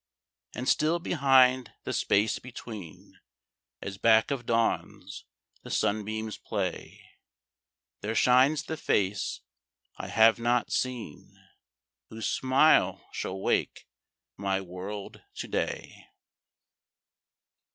And still behind the space between, As back of dawns the sunbeams play, There shines the face I have not seen, Whose smile shall wake my world to Day.